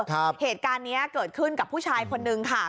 เหตุการณ์นี้เกิดขึ้นกับผู้ชายคนนึงค่ะ